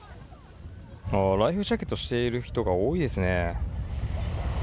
ライフジャケットしている人が多いですね。